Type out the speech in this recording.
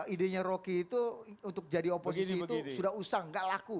idenya rocky itu untuk jadi oposisi itu sudah usang gak laku